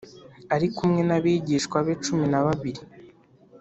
Ari kumwe n abigishwa be cumi na babiri